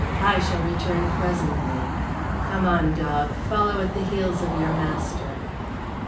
"I shall return presently. Come on, dog, follow at the heels of your master."